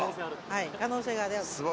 はい可能性があります。